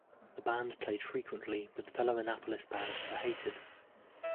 The band played frequently with fellow Annapolis band The Hated.